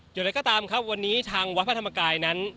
อย่างไรก็ตามครับวันนี้ทางวัดพระธรรมกายนั้น